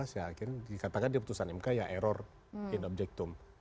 ya akhirnya dikatakan diputusan mk ya error in objectum